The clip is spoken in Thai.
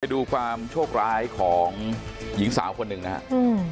ดูความโชคร้ายของหญิงสาวคนหนึ่งนะครับ